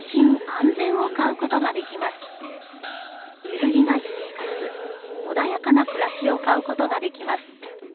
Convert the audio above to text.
揺るぎない生活、穏やかな暮しを買うことができます。